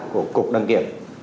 của cục đăng kiểm